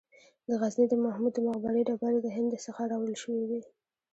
د غزني د محمود د مقبرې ډبرې د هند څخه راوړل شوې وې